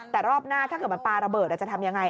แต่รอบหน้าถ้าเกิดมันปลาระเบิดจะทำยังไง